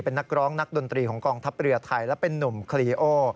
เป็นนักร้องนักดนตรีของกองทัพเรือไทยและเป็นนุ่มคลีโอ